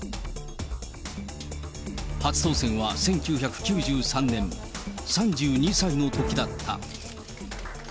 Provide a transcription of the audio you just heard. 初当選は１９９３年、３２歳のときだった。